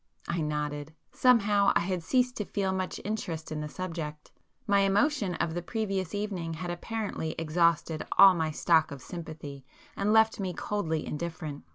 I nodded. Somehow I had ceased to feel much interest in the subject. My emotion of the previous evening had apparently exhausted all my stock of sympathy and left me coldly indifferent.